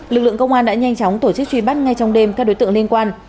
lực lượng công an đã nhanh chóng tổ chức truy bắt ngay trong đêm các đối tượng liên quan